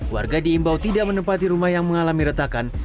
warga diimbau tidak menempati rumah yang mengalami retakan